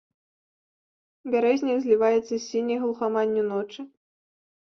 Бярэзнік зліваецца з сіняй глухаманню ночы.